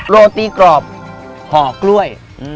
โรตีกรอบห่อกล้วย